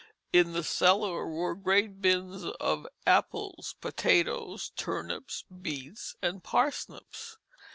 In the cellar were great bins of apples, potatoes, turnips, beets, and parsnips.